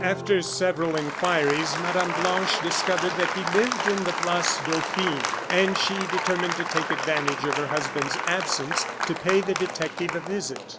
After several inquiries, Mme. Blanche discovered that he lived in the Place Dauphine; and she determined to take advantage of her husband's absence to pay the detective a visit.